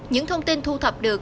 những thông tin thu thập được